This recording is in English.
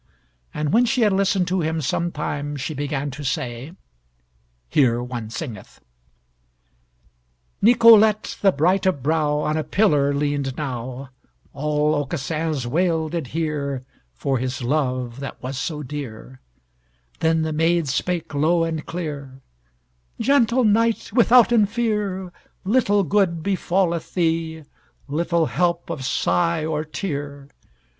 And when she had listened to him some time she began to say: Here one singeth: Nicolette, the bright of brow, On a pillar leaned now, All Aucassin's wail did hear For his love that was so dear, Then the maid spake low and clear: "Gentle knight, withouten fear, Little good befalleth thee, Little help of sigh or tear.